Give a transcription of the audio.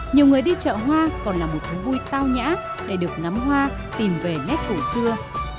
nhiều người đi chợ hoa còn là một thú vui tao nhã để được ngắm hoa tìm về nét cổ xưa